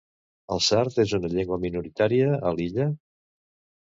El sard és una llengua minoritària a l'illa?